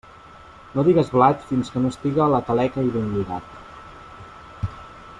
No digues blat fins que no estiga a la taleca i ben lligat.